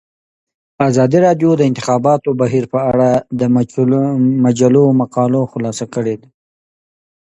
ازادي راډیو د د انتخاباتو بهیر په اړه د مجلو مقالو خلاصه کړې.